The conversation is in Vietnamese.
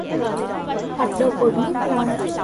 Hoạt động ở nước ngoài